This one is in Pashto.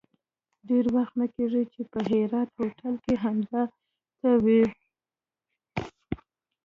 ډېر وخت نه کېږي چې په هرات هوټل کې همدا ته وې.